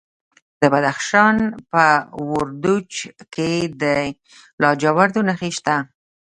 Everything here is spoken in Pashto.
د بدخشان په وردوج کې د لاجوردو نښې شته.